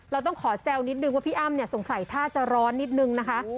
เราต้องขอแซวนิดนึงว่าพี่อ้ำเนี่ยสงสัยท่าจะร้อนนิดนึงนะคะ